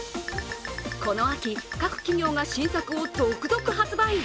この秋、各企業が新作を続々発売！